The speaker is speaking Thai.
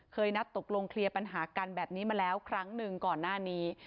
นัดตกลงเคลียร์ปัญหากันแบบนี้มาแล้วครั้งหนึ่งก่อนหน้านี้